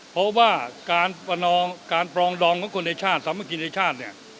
เพราะว่าการปรองดองของคนในชาติสามัคคีในชาติ